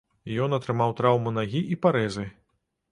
Ён атрымаў траўму нагі і парэзы.